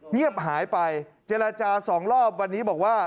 เงียบหายไปเจรจาสองรอบวันนี้บอกว่า